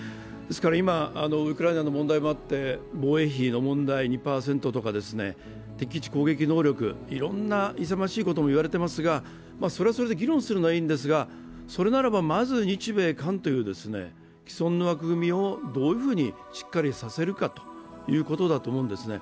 今、ウクライナの問題もあって防衛費の問題２％とか敵地攻撃能力、いろいろな勇ましいことも言われていますが、それはそれで議論するのはいいんですが、それならばまず日米韓という既存の枠組みをどういうふうにしっかりさせるかということだと思うんですね。